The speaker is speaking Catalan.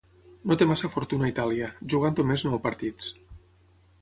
No té massa fortuna a Itàlia, jugant només nou partits.